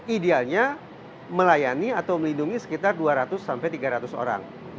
idealnya melayani atau melindungi sekitar dua ratus sampai tiga ratus orang